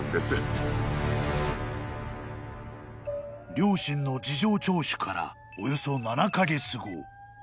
［両親の事情聴取からおよそ７カ月後］